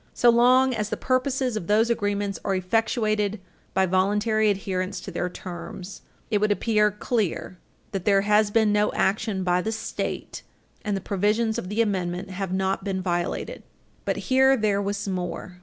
So long as the purposes of those agreements are effectuated by voluntary adherence to their terms, it would appear clear that there has been no action by the State, and the provisions of the Amendment have not been violated. Cf. Corrigan v. Buckley, supra. But here there was more.